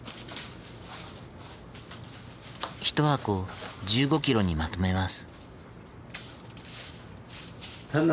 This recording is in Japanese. １箱１５キロにまとめます。